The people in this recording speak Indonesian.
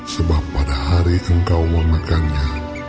sebab pada hari engkau memegangnya